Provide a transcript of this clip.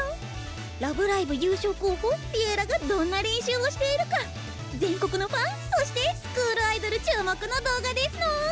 「ラブライブ！」優勝候補「Ｌｉｅｌｌａ！」がどんな練習をしているか全国のファンそしてスクールアイドル注目の動画ですの！